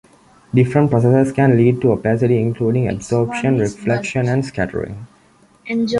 Different processes can lead to opacity including absorption, reflection, and scattering.